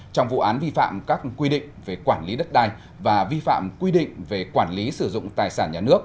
trong vụ án vi phạm các quy định về quản lý đất đai và vi phạm quy định về quản lý sử dụng tài sản nhà nước